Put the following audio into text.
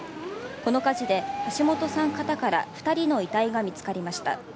この火事で橋本さん方から２人の遺体が見つかりました。